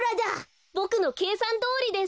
ボクのけいさんどおりです。